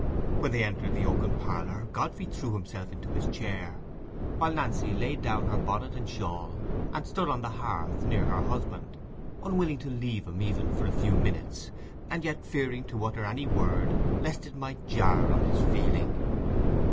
When they entered the oaken parlour, Godfrey threw himself into his chair, while Nancy laid down her bonnet and shawl, and stood on the hearth near her husband, unwilling to leave him even for a few minutes, and yet fearing to utter any word lest it might jar on his feeling.